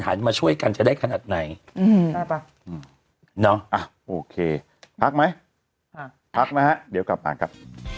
น้องอ่ะโอเคพักไหมอ่าพักไหมฮะเดี๋ยวกลับบ้านครับ